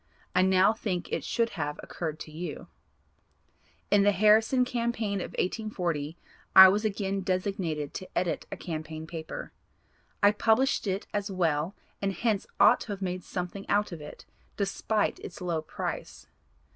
I now think it should have occurred to you. In the Harrison campaign of 1840 I was again designated to edit a campaign paper. I published it as well and hence ought to have made something out of it despite its low price.